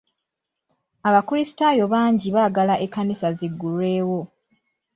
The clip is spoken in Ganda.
Abakrisitaayo bangi baagala ekkanisa ziggulwewo.